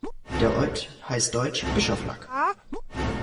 Der Ort heißt deutsch "Bischoflack".